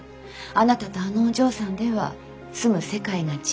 あなたとあのお嬢さんでは住む世界が違うの。